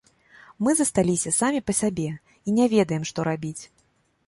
Мы засталіся самі па сабе і не ведаем што рабіць.